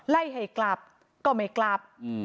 ไล่ให้กลับก็ไม่กลับ